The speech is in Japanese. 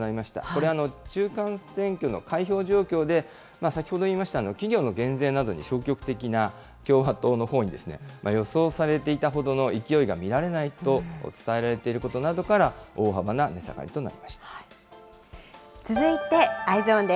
これ、中間選挙の開票状況で、先ほど言いました、企業の減税などに消極的な共和党のほうに、予想されていたほどの勢いが見られないと伝えられていることなどから、大幅な値下がりとなりました。